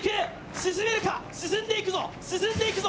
進めるか、進んでいく、進んでいるぞ。